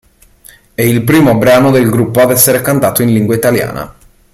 È il primo brano del gruppo ad essere cantato in lingua italiana.